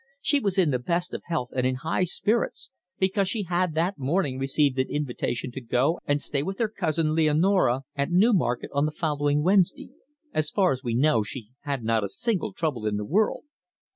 She was in the best of health and in high spirits because she had that morning received an invitation to go and stay with her cousin Leonora at Newmarket on the following Wednesday. As far as we know she had not a single trouble in the world."